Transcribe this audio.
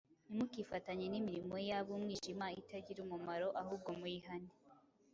Ntimukifatanye n’imirimo y’ab’umwijima itagira umumaro, ahubwo muyihane.